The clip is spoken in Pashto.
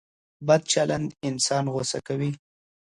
بد چلند انسان غوسه کوي.